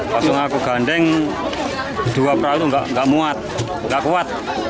langsung aku gandeng dua perahu nggak muat nggak kuat